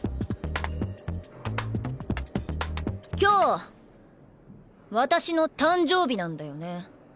今日私の誕生日なんだよね。